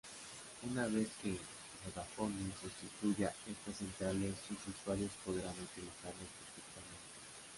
Una vez que Vodafone sustituya estas centrales, sus usuarios podrán utilizarlos perfectamente.